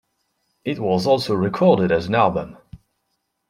It was also recorded as an album.